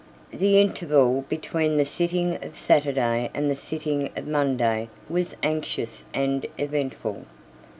The interval between the sitting of Saturday and the sitting of Monday was anxious and eventful.